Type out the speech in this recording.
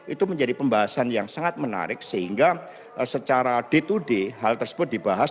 itu menjadi pembahasan yang sangat menarik sehingga secara day to day hal tersebut dibahas